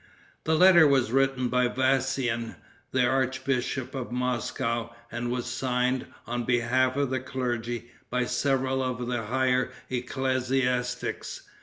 The letter was written by Vassian, the archbishop of Moscow, and was signed, on behalf of the clergy, by several of the higher ecclesiastics.